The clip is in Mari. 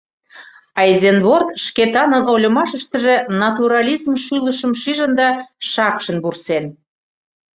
Айзенворт Шкетанын ойлымашыштыже натурализм шӱлышым шижын да шакшын вурсен.